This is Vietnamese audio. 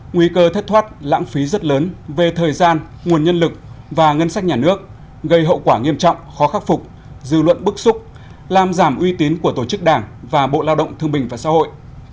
nguy cơ thất thoát lãng phí rất lớn về thời gian nguồn nhân lực và ngân sách nhà nước gây hậu quả nghiêm trọng khó khắc phục dư luận bức xúc làm giảm uy tín của tổ chức đảng và bộ lao động thương bình và xã hội